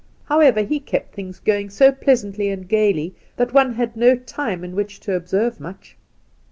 However, he kept things going so pleasantly and gaily that one had no time in which to observe much.